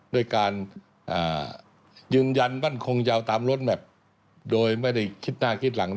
ด้วยการยืนยันมั่นคงยาวตามรถแมพโดยไม่ได้คิดหน้าคิดหลัง